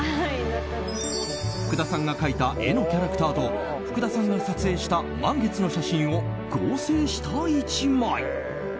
福田さんが描いた絵のキャラクターと福田さんが撮影した満月の写真を合成した１枚。